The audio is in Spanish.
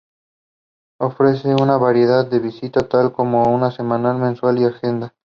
Ofrece una variedad de vistas, tal como semanal, mensual y agenda.